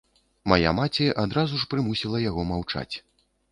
Мая маці адразу ж прымусіла яго маўчаць.